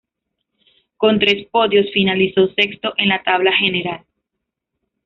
Con tres podios finalizó sexto en la tabla general.